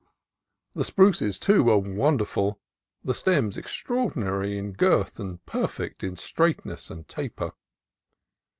The spruces, too, were wonderful, the stems extraordinary in girth and perfect in straightness and taper.